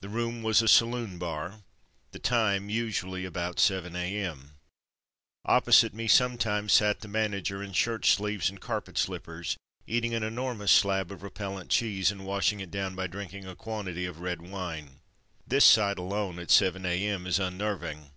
The room was a saloon bar, the time usually about seven a.m. Opposite me sometimes sat the manager in shirt sleeves and carpet slippers eating an enormous slab of repellent cheese, and washing it down by drinking a quantity of red wine. This sight alone, at seven a.m., is unnerving.